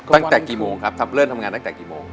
ตั้งแต่กี่โมงครับครับเริ่มทำงานตั้งแต่กี่โมง